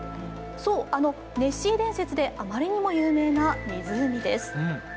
そう、あのネッシー伝説であまりにも有名な湖です。